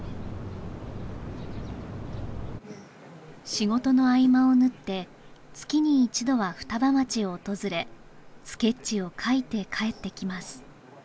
仕事の合間を縫って月に一度は双葉町を訪れスケッチを描いて帰ってきます